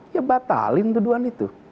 ya batalin tuduhan itu